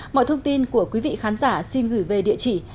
mọi thông tin của quý vị khán giả xin gửi về địa chỉ